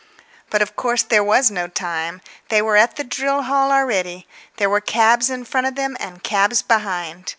But, of course, there was no time. They were at the drill hall already; there were cabs in front of them and cabs behind.